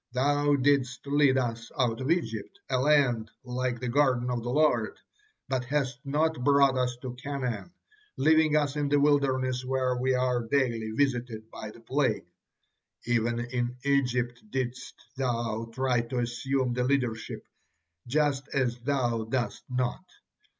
Thou didst lead us out of Egypt, a land 'like the garden of the Lord,' but hast not brought us to Canaan, leaving us in the wilderness where we are daily visited by the plague. Even in Egypt didst thou try to assume the leadership, just as thou doest not.